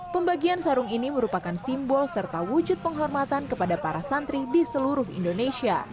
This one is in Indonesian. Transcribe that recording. pembagian sarung ini merupakan simbol serta wujud penghormatan kepada para santri di seluruh indonesia